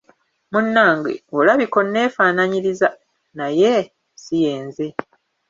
Munnange olabika onnefaanyiriza naye si ye nze.